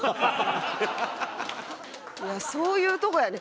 いやそういうとこやで。